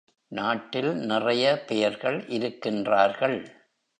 நாட்டில் நிறைய பேர்கள் இருக்கின்றார்கள்.